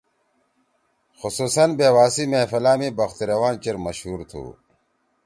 خصوصاً بیوا سی محفلا می بخت روان چیر مشہُور تُھو۔